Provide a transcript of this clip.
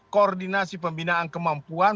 koordinasi pembinaan kemampuan